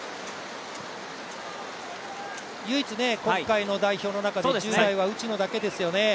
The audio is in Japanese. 唯一今回の代表の中で１０代は内野だけですよね。